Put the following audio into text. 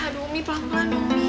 aduh umi pelan pelan umi